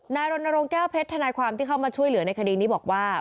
รณรงค์แก้วเพชรทนายความที่เข้ามาช่วยเหลือในคดีนี้บอกว่า